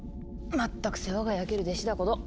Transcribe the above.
まったく世話が焼ける弟子だこと。